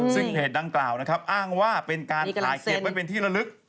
ซึ่งเพจดังกล่าวนะครับอ้างว่าเป็นการถ่ายเก็บไว้เป็นที่ละลึก